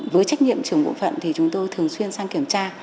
với trách nhiệm trưởng bộ phận thì chúng tôi thường xuyên sang kiểm tra